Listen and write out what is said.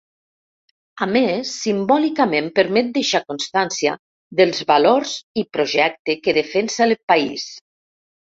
A més, simbòlicament permet deixar constància dels valors i projecte que defensa el país.